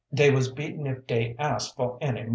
Dey wuz beaten ef dey ask'd for any mo'".